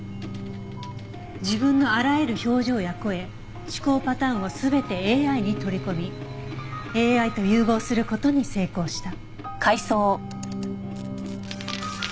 自分のあらゆる表情や声思考パターンを全てＡＩに取り込みＡＩと融合する事に成功した。